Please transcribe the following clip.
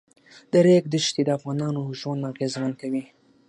د ریګ دښتې د افغانانو ژوند اغېزمن کوي.